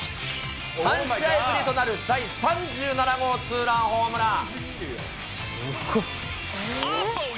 ３試合ぶりとなる第３７号ツーランホームラン。